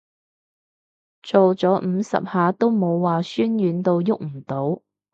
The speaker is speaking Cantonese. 做咗五十下都冇話痠軟到郁唔到